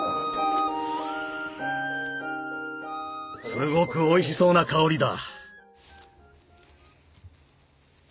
すごくおいしそうな香りだ！